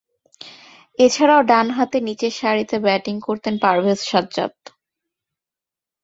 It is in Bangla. এছাড়াও, ডানহাতে নিচেরসারিতে ব্যাটিং করতেন পারভেজ সাজ্জাদ।